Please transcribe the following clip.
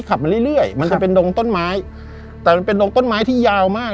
มาเรื่อยเรื่อยมันจะเป็นดงต้นไม้แต่มันเป็นดงต้นไม้ที่ยาวมาก